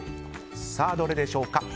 さあ、どれでしょうか。